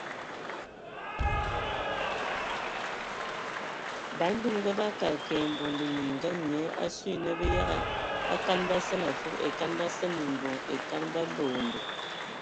Ban bininga bakad kə ai mbonde mininga (nyia) asu na bə yəgə e kan basene afub e kan basen mimboŋ ai e kan babƐ owondo.